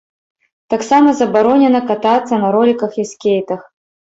Таксама забаронена катацца на роліках і скейтах.